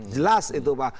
jelas itu pak